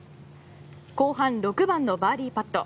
後半６番のバーディーパット。